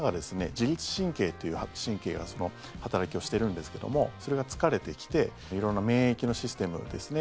自律神経という神経がその働きをしてるんですけどもそれが疲れてきて色んな免疫のシステムですね